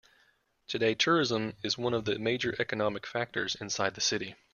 Today, tourism is one of the major economic factors inside the city.